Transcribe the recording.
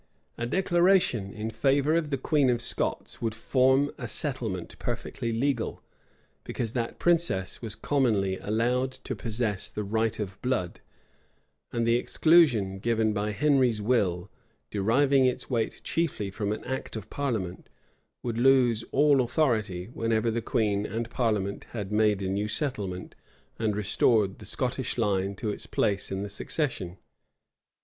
A declaration in favor of the queen of Scots would form a settlement perfectly legal; because that princess was commonly allowed to possess the right of blood; and the exclusion given by Henry's will, deriving its weight chiefly from an act of parliament, would lose all authority whenever the queen and parliament had made a new settlement, and restored the Scottish line to its place in the succession.